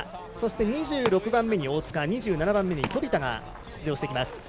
そして２６番目に大塚２７番目に飛田が出場してきます。